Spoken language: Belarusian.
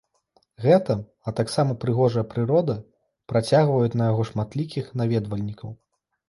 Гэта, а таксама прыгожая прырода, прыцягваюць на яго шматлікіх наведвальнікаў.